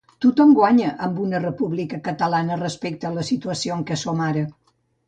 Tothom guanya amb una república catalana respecte a la situació en què som ara.